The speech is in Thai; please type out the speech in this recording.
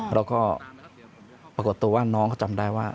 แล้วก็ปรากฏตัวว่าน้องเขาจำได้ว่า